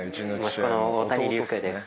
息子の大谷龍生です。